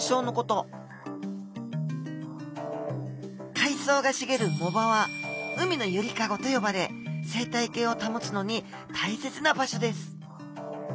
海藻がしげる藻場は海のゆりかごと呼ばれ生態系を保つのに大切な場所です。